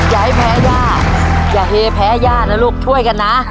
อย่าให้แพ้ย่าอย่าเฮแพ้ย่านะลูกช่วยกันนะ